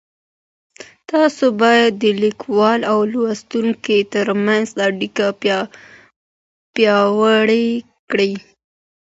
تاسو بايد د ليکوال او لوستونکي تر منځ اړيکه پياوړې کړئ.